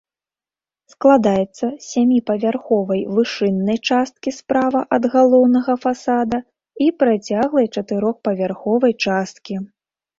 Складаецца з сяміпавярховай вышыннай часткі справа ад галоўнага фасада і працяглай чатырохпавярховай часткі.